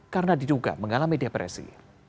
yang dianggap mengalami depresi